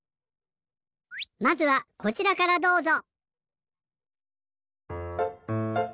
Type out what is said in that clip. まずはこちらからどうぞ。